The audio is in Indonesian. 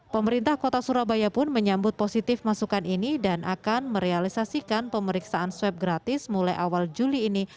pemerintah kota surabaya pun menyambut positif masukan ini dan akan merealisasikan pemeriksaan swab gratis mulai awal juli ini